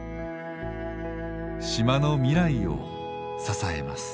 島の未来を支えます。